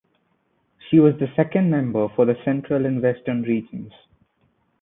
She was the Second Member for the Central and Western Regions.